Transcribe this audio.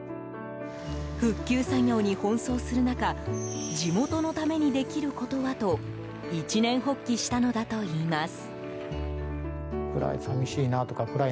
復旧作業に奔走する中地元のためにできることはと一念発起したのだといいます。